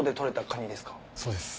そうです。